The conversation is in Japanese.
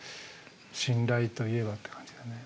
「信頼といえば」って感じでね。